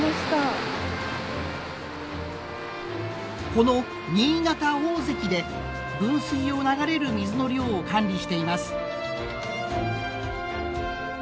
この新潟大堰で分水を流れる水の量を管理しています。